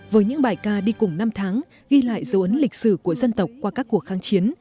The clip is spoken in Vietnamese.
với những bài ca đi cùng năm tháng ghi lại dấu ấn lịch sử của dân tộc qua các cuộc kháng chiến